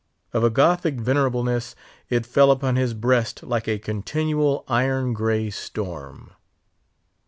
Of a Gothic venerableness, it fell upon his breast like a continual iron gray storm.